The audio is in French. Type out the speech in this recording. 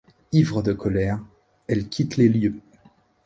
Ivre de colère, elle quitte les lieux.